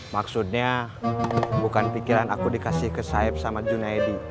maksudnya bukan pikiran aku dikasih ke saeb sama junaedi